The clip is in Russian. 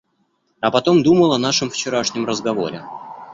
А потом думал о нашем вчерашнем разговоре.